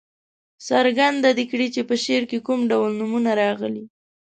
څرګنده دې کړي چې په شعر کې کوم ډول نومونه راغلي.